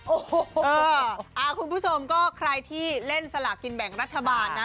โอ้โหคุณผู้ชมก็ใครที่เล่นสลากกินแบ่งรัฐบาลนะ